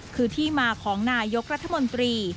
คือที่มาของนายกรัฐมนตรี